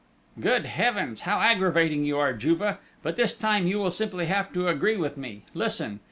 "Good Heavens! How aggravating you are, Juve!... But this time you will simply have to agree with me! Listen!...